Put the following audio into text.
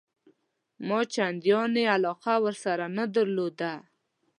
ما چنداني علاقه ورسره نه درلوده.